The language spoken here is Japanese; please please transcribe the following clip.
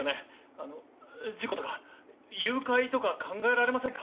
あの事故とか誘拐とか考えられませんか？